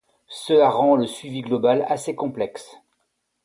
Cela rend le suivi global assez complexe.